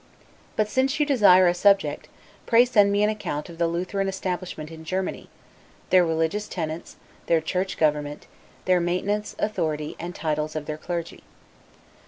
But, since you desire a subject, pray send me an account of the Lutheran establishment in Germany; their religious tenets, their church government, the maintenance, authority, and titles of their clergy.